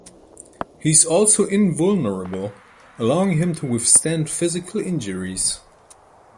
He's also invulnerable, allowing him to withstand physical injuries.